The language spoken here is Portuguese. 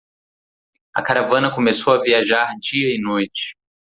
A caravana começou a viajar dia e noite.